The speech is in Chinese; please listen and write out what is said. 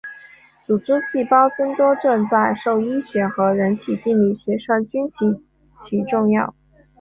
组织细胞增多症在兽医学和人体病理学上均极其重要。